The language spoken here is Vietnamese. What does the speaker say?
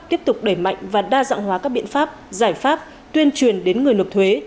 tiếp tục đẩy mạnh và đa dạng hóa các biện pháp giải pháp tuyên truyền đến người nộp thuế